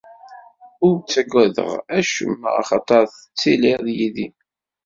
Ur ttaggadeɣ acemma, axaṭer tettiliḍ yid-i.